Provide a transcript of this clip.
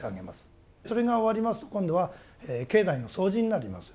それが終わりますと今度は境内の掃除になります。